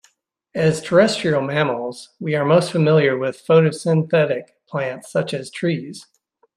As terrestrial mammals, we are most familiar with photosynthetic plants such as trees.